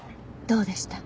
どうでした？